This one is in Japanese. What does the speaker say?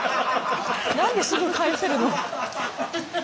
何ですぐ返せるの？